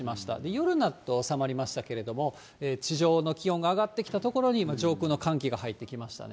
夜になって収まりましたけれども、地上の気温が上がってきたところに、上空の寒気が入ってきましたね。